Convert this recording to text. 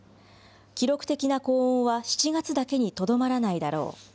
記録的な高温は７月だけにとどまらないだろう。